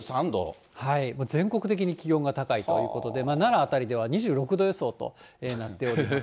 全国的に気温が高いということで、奈良辺りでは２６度予想となっております。